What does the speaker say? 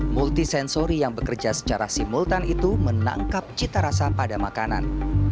multisensori yang bekerja secara simultan itu menangkap cita rasa pada makanan